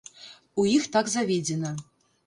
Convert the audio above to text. У іх так заведзена.